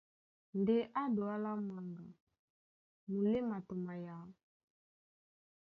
Ndé ǎ Dualá Manga, muléma tɔ mayǎ.